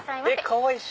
かわいい！